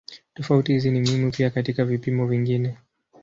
Tofauti hizi ni muhimu pia katika vipimo vingine.